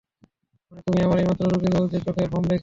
মানে, তুমিই আমার একমাত্র রোগী নও যে চোখে ভ্রম দেখে।